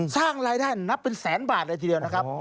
สร้างรายได้นับเป็นแสนบาทเลยทีเดียวนะครับ